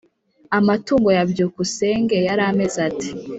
amatungo ya byukusenge yari ameze ate?